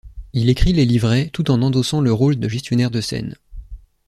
Il écrit les livrets tout en endossant le rôle de gestionnaire de scène.